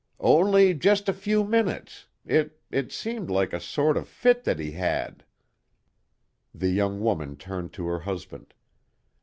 "Only just a few minutes. It it seemed like a sort of fit that he had." The young woman turned to her husband.